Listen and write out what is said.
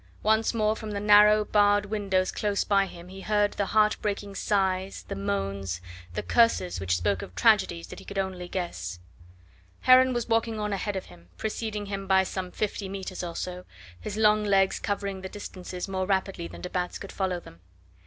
Once more from the narrow, barred windows close by him he heard the heart breaking sighs, the moans, the curses which spoke of tragedies that he could only guess. Heron was walking on ahead of him, preceding him by some fifty metres or so, his long legs covering the distances more rapidly than de Batz could follow them.